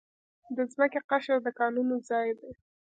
د ځمکې قشر د کانونو ځای دی.